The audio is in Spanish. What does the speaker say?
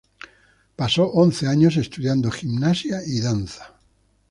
Pasó once años estudiando gimnasia y danza.